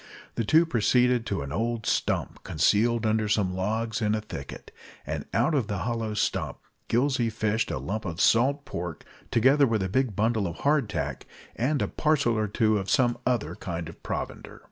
The two proceeded to an old stump concealed under some logs in a thicket, and out of the hollow, of the stump Gillsey fished a lump of salt pork, together with a big bundle of "hard tack," and a parcel or two of some other kind of provender.